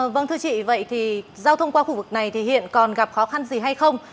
vâng thưa chị vậy thì giao thông qua khu vực này thì hiện còn gặp khó khăn gì hay không